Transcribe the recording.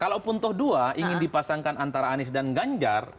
kalaupun toh dua ingin dipasangkan antara anies dan ganjar